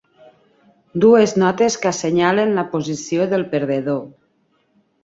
Dues notes que assenyalen la posició del perdedor.